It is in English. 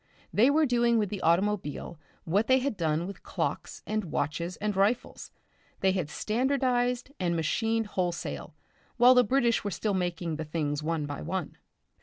They were doing with the automobile what they had done with clocks and watches and rifles, they had standardised and machined wholesale, while the British were still making the things one by one.